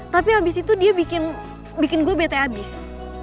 tapi habis itu dia bikin gue bete abis